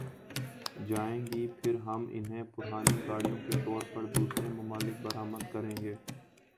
جائیں گی پھر ہم انہیں پرانی گاڑیوں کے طور پر دوسرے ممالک برآمد کریں گئے